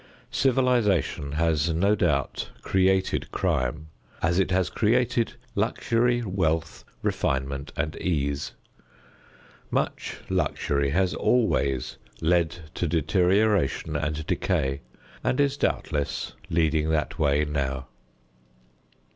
Civilization has no doubt created crime as it has created luxury, wealth, refinement and ease. Much luxury has always led to deterioration and decay and is doubtless leading that way now.